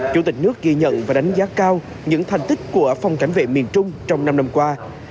chủ tịch nước ghi nhận và đánh giá cao những thành tích của phòng cảnh vệ miền trung trong năm năm qua